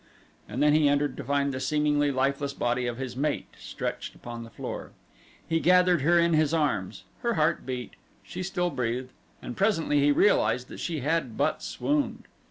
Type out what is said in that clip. And then he entered to find the seemingly lifeless body of his mate stretched upon the floor. He gathered her in his arms; her heart beat; she still breathed, and presently he realized that she had but swooned.